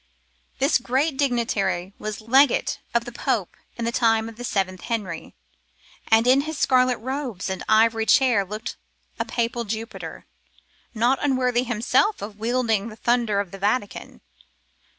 This great dignitary was legate of the Pope in the time of the seventh Henry, and in his scarlet robes and ivory chair looked a papal Jupiter, not unworthy himself of wielding the thunder of the Vatican.